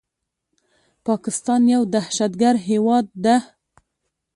پاکستان يو دهشتګرد هيواد ده